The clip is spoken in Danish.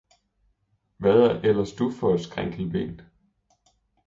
Hvad er ellers du for et skrinkelben!